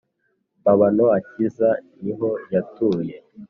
mabano acyiza ni ho yatuye